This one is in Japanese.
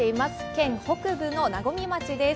県北部の和水町です。